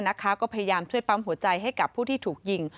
ก็พยายามช่วยปั๊มหัวใจให้กับผู้ที่ถูกยิง